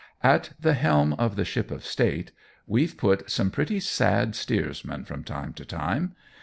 At the helm of the ship of state we've put some pretty sad steersman from time to time.